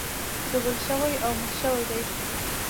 ژوبل شوي او مړه شوي دي.